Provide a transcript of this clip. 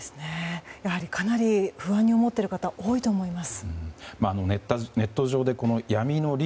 かなり不安に思っている方多いと思います。